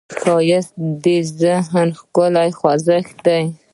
ښایست د ذهن ښکلې خوځښت دی